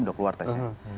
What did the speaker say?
sudah keluar tesnya